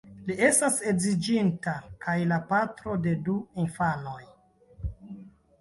Li estas edziĝinta, kaj la patro de du infanoj.